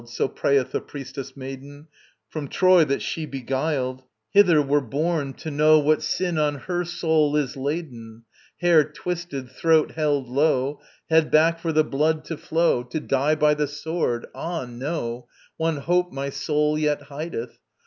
(So prayeth the priestess maiden) From Troy, that she beguiled, Hither were borne, to know What sin on her soul is laden! Hair twisted, throat held low, Head back for the blood to flow, To die by the sword. ... Ah no! One hope my soul yet hideth.